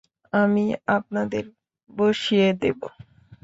আমি আপনাদের ভিতরে বসিয়ে দেব।